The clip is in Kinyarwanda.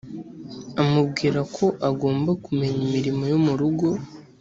amubwira ko agomba kumenya imirimo yo mu rugo